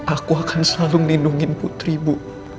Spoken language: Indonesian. aku akan selalu melindungi putri bu